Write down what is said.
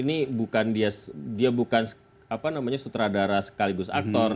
ini dia bukan sutradara sekaligus aktor